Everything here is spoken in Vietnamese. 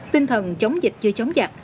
tinh thần chống dịch chưa chống giặc